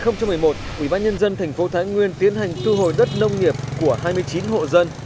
năm hai nghìn một mươi một quỹ ban nhân dân thành phố thái nguyên tiến hành thu hồi đất nông nghiệp của hai mươi chín hộ dân